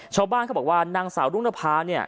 ชาวบ้านเขาบอกว่านางสาวรุ่งนภาเนี่ย